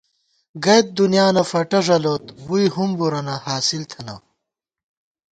گَئیت دُنیانہ فٹہ ݫَلوت ووئی ہُمبُرَنہ حاصل تھنہ